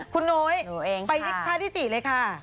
คุณโน๊ยไปท่าที่สี่เลยค่ะ